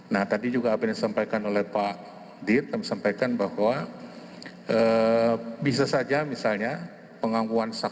nah tadi juga abinit sampaikan oleh pak dirt kami sampaikan bahwa bisa saja misalnya pengangguan sejarah